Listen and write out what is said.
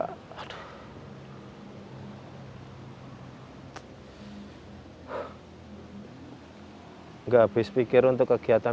tidak habis pikir untuk kegiatan